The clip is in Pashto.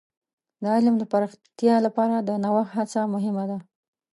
د علم د پراختیا لپاره د نوښت هڅه مهمه ده.